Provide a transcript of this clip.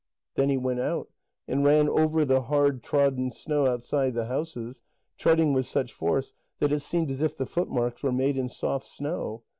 Then he went out, and ran off over the hard trodden snow outside the houses, treading with such force that it seemed as if the footmarks were made in soft snow.